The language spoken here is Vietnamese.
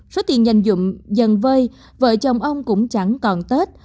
số tiền dành dụng dần vơi vợ chồng ông cũng chẳng còn tết